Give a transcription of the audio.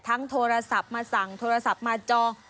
โทรศัพท์มาสั่งโทรศัพท์มาจอง